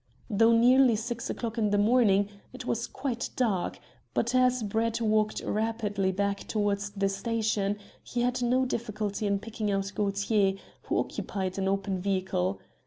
Though nearly six o'clock in the morning, it was quite dark, but as Brett walked rapidly back towards the station he had no difficulty in picking out Gaultier, who occupied an open vehicle.